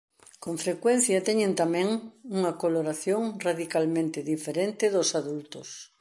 Con frecuencia teñen tamén unha coloración radicalmente diferente dos adultos.